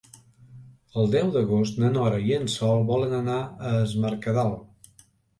El deu d'agost na Nora i en Sol volen anar a Es Mercadal.